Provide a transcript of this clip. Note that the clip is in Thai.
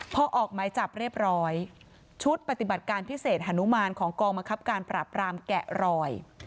พอออกหมายจับเรียบร้อยชุดปฏิบัติการพิเศษฮานุมานของกองบังคับการปราบรามแกะรอย